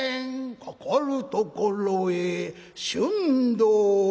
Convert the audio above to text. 「かかるところへ春藤玄蕃」